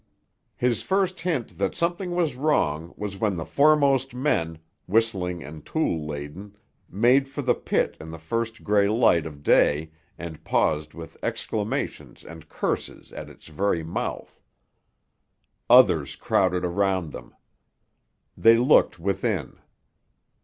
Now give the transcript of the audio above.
His first hint that something was wrong was when the foremost men, whistling and tool laden, made for the pit in the first grey light of day and paused with exclamations and curses at its very mouth. Others crowded around them. They looked within.